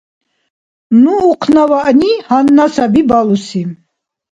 — Ну ухънаваъни гьанна саби балуси.